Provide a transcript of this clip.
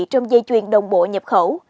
trong dây chuyền đồng bộ nhập khẩu